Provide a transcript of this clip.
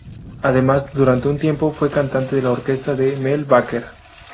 Además, durante un tiempo fue cantante de la orquesta de Mel Baker.